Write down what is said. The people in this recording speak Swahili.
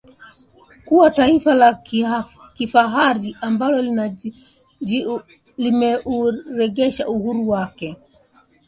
kuwa taifa la kihafari ambalo limeurejesha uhuru wake